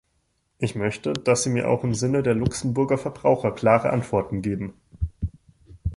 Ich möchte, dass Sie mir auch im Sinne der Luxemburger Verbraucher klare Antworten geben.